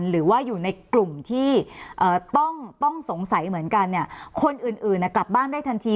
หรือว่าอยู่ในกลุ่มที่ต้องสงสัยเหมือนกันเนี่ยคนอื่นกลับบ้านได้ทันที